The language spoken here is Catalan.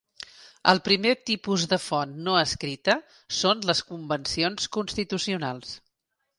El primer tipus de font no escrita són les convencions constitucionals.